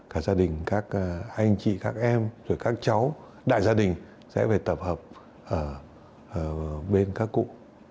cả gia đình các anh chị các em rồi các cháu đại gia đình sẽ phải tập hợp ở bên các cụ